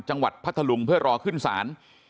จังหวัดพัทธลุงเพื่อรอขึ้นศาล